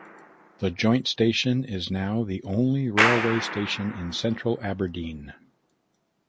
The joint station is now the only railway station in central Aberdeen.